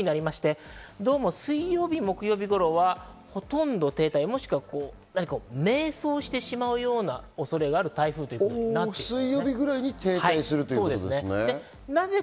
今日は北上するんですが、明日以降、だんだんゆっくりになりまして、どうも水曜日、木曜日頃はほとんど停滞、もしくは迷走してしまうような恐れがある台風ということになっています。